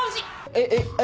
えっえっ？